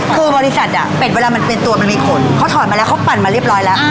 คือบริษัทอ่ะเป็ดเวลามันเป็นตัวมันมีคนเขาถอดมาแล้วเขาปั่นมาเรียบร้อยแล้ว